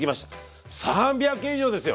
３００件以上ですよ！